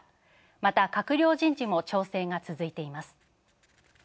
また、閣僚人事も調整が続いています。